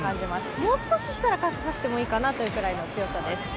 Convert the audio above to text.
もう少ししたら傘差してもいいかなというぐらいの強さです。